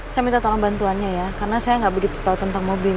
saya minta tolong bantuannya ya karena saya nggak begitu tahu tentang mobil